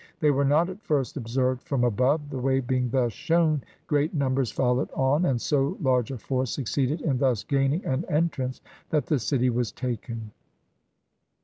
They were not at first observed from above. The way being thus shown, great numbers followed on, and so large a force succeeded in thus gaining an entrance that the city was taken.